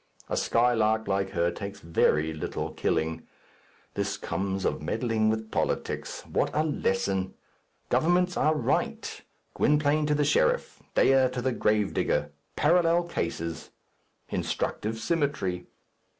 A skylark like her takes very little killing. This comes of meddling with politics. What a lesson! Governments are right. Gwynplaine to the sheriff. Dea to the grave digger. Parallel cases! Instructive symmetry!